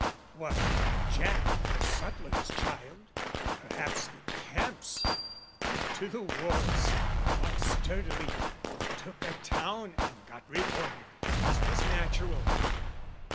"Why, Jack, the suttler's child, perhaps the camp's, "Went to the wars, fought sturdily, took a town "And got rewarded as was natural.